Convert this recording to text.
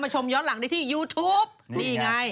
ชมย้อนหลังได้ที่ยูทูปนี่ไง